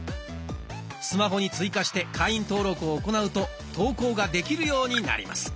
スマホに追加して会員登録を行うと投稿ができるようになります。